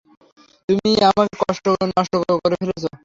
তুমিই আমাকে নষ্ট করে ফেলেছো।